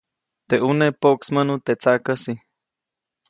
Teʼ ʼuneʼ poʼksmäʼnu teʼ tsaʼkäsi.